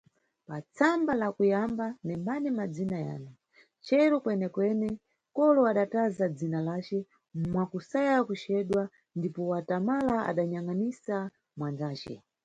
Pa tsamba la kuyamba nembani madzina yanu, cheru Kwenekwene, kolo adatatalaza dzina lace mwa kusaya kuceduwa, ndipo watamala adanyangʼnisa mwanzace.